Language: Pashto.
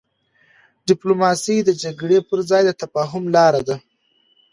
ډيپلوماسي د جګړي پر ځای د تفاهم لار ده.